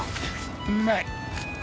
うまい！